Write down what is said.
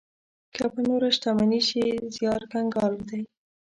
که په نوره شتمني شي زيار کنګال دی.